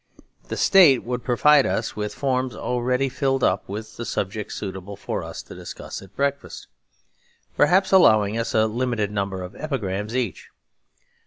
The State would provide us with forms already filled up with the subjects suitable for us to discuss at breakfast; perhaps allowing us a limited number of epigrams each.